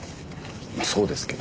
まそうですけど。